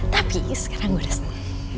tapi sekarang gue udah seneng